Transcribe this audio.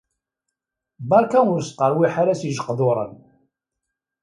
Beṛka ur sqerwiḥ ara s yijeqduren!